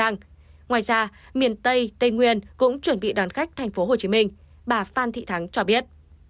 ngoài ra miền tây tây nguyên cũng chuẩn bị đón khách tp hcm bà phan thị thắng cho biết